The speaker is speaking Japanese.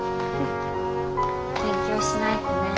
勉強しないとね。